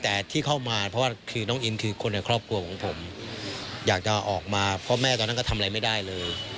แต่ที่เข้ามาเพราะว่าคือน้องอินคือคนในครอบครัวของผมอยากจะออกมาเพราะแม่ตอนนั้นก็ทำอะไรไม่ได้เลย